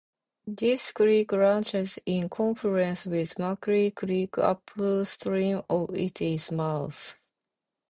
This creek reaches its confluence with Muncy Creek upstream of its mouth.